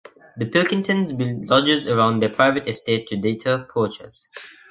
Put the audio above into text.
The Pilkingtons built lodges around their private estate to deter poaches.